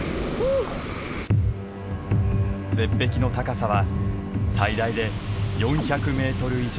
絶壁の高さは最大で４００メートル以上。